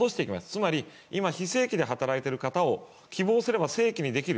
つまり、今非正規で働いている方を希望すれば正規にできる。